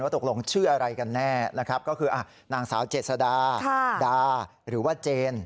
ตกลงชื่ออะไรกันแน่นะครับก็คือนางสาวเจษดาดาหรือว่าเจน